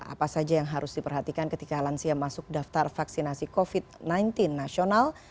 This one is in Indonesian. apa saja yang harus diperhatikan ketika lansia masuk daftar vaksinasi covid sembilan belas nasional